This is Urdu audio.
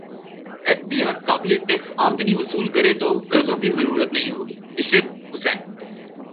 ایف بی ار قابل ٹیکس امدنی وصول کرے تو قرضوں کی ضرورت نہیں ہوگی عشرت حسین